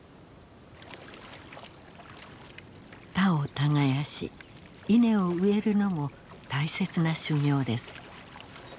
田を耕し稲を植えるのも大切な修行です。